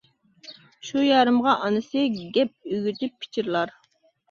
شۇ يارىمغا ئانىسى، گەپ ئۆگىتىپ پىچىرلار.